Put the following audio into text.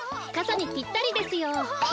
かさにぴったりですよ。